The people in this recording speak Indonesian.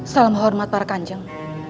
salam hormat para kanjeng